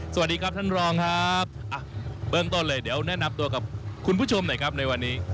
สวัสดีครับท่านรองครับอ่ะเบื้องต้นเลยเดี๋ยวแนะนำตัวกับคุณผู้ชมหน่อยครับในวันนี้